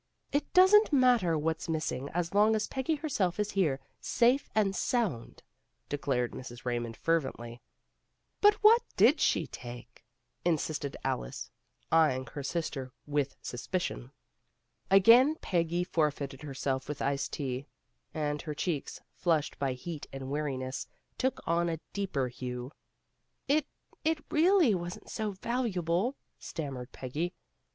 "It doesn't matter what's missing, as long as Peggy herself is here safe and sound," de clared Mrs. Raymond fervently. A MISSING BRIDE 311 "But what did she take?" insisted Alice, eyeing her sister with suspicion. Again Peggy forfeited herself with iced tea, and her cheeks, flushed by heat and weariness, took on a deeper hue. "It it really wasn't so valuable, " stammered Peggy.